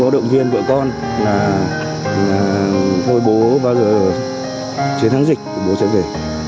động viên vợ con là thôi bố bao giờ chiến thắng dịch bố sẽ về